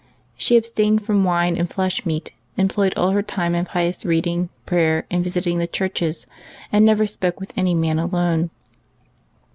She abstained from wine and flesh meat, em ployed all her time in pious reading, prayer, and visiting the churches, and never spoke with any man alone.